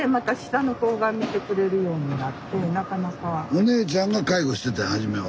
お姉ちゃんが介護してたんや初めは。